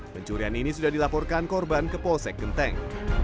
pencurian ini sudah dilaporkan korban ke polsek genteng